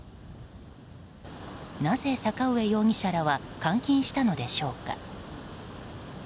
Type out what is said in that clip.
なぜ、坂上容疑者らは監禁したのでしょうか。